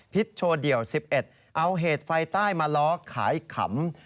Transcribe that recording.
โชว์เดี่ยว๑๑เอาเหตุไฟใต้มาล้อขายขำ